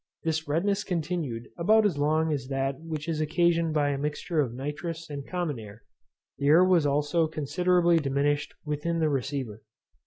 This redness continued about as long as that which is occasioned by a mixture of nitrous and common air; the air was also considerably diminished within the receiver.